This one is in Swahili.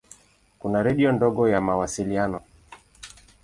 Kuna redio ndogo ya mawasiliano.